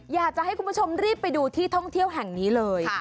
อยากจะให้คุณผู้ชมรีบไปดูที่ท่องเที่ยวแห่งนี้เลย